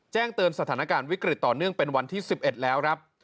แจ้งเตือนสถานการณ์วิกฤตต่อเนื่องเป็นวันที่๑๑แล้วครับ